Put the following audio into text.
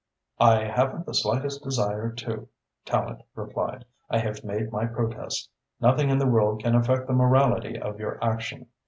"I haven't the slightest desire to," Tallente replied. "I have made my protest. Nothing in the world can affect the morality of your action.